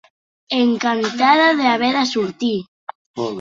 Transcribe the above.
Encantada d'haver de sortir.